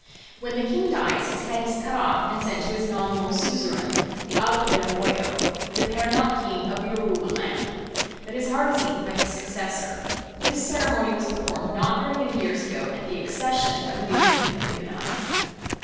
When the king dies his head is cut off and sent to his nominal suzerain, the Alafin of Oyo, the paramount king of Yoruba land; but his heart is eaten by his successor. This ceremony was performed not very many years ago at the accession of a new king of Ibadan.